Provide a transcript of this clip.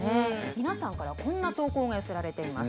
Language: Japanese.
皆さんからこんな投稿が寄せられています。